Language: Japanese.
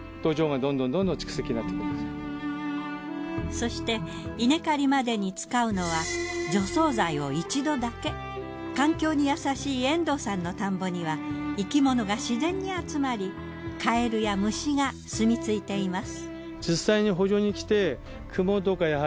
そして稲刈りまでに使うのは環境に優しい遠藤さんの田んぼには生き物がしぜんに集まりカエルや虫がすみ着いています。